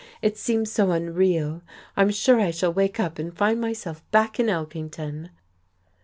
It seems so unreal. I'm sure I shall wake up and find myself back in Elkington."